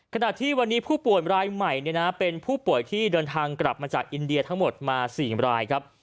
ขณะที่วันนี้ผู้ป่วยรายใหม่เป็นผู้ป่วยที่เดินทางกลับมาจากอินเดียทั้งหมดมา๔รายครับ